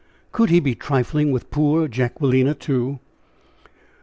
Could he be trifling with poor Jacquelina, too?